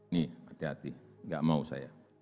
nih hati hati gak mau saya